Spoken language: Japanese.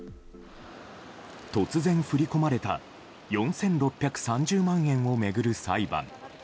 突然振り込まれた４６３０万円を巡る裁判。